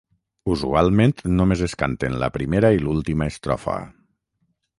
Usualment només es canten la primera i l'última estrofa.